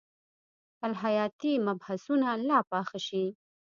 الهیاتي مبحثونه لا پاخه شي.